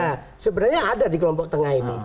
ya sebenarnya ada di kelompok tengah ini